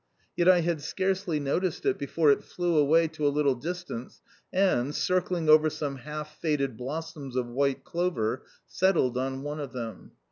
Yet I had scarcely noticed it before it flew away to a little distance and, circling over some half faded blossoms of white clover, settled on one of them.